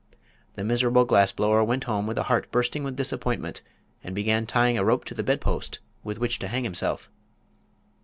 The miserable glass blower went home with a heart bursting with disappointment and began tying a rope to the bedpost by which to hang himself.